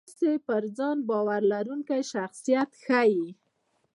ستاسې په ځان باور لرونکی شخصیت ښي.